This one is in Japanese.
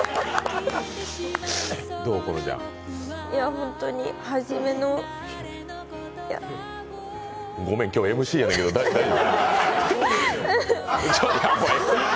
ホントに、初めのごめん、今日、ＭＣなんやけど、大丈夫？